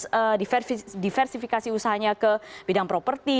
proses diversifikasi usahanya ke bidang properti